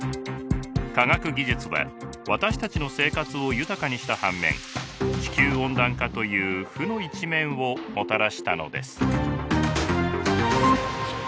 科学技術は私たちの生活を豊かにした反面地球温暖化という負の一面をもたらしたのです。